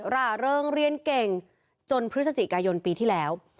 ราเริงเรียนเก่งจนพฤศจิกายนปีที่แล้ว